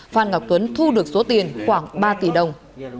phan ngọc tuấn thu được số tiền khoảng ba tỷ đồng